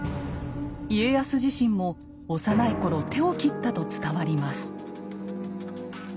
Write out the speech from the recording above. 家康自身も幼い頃手を切ったと伝わります。